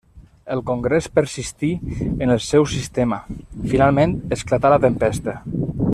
El Congrés persistí en el seu sistema; finalment esclatà la tempesta.